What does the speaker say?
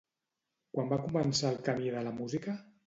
Quan va començar el camí de la música?